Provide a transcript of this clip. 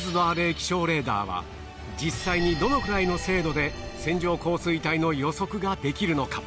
気象レーダーは実際にどのくらいの精度で線状降水帯の予測ができるのか？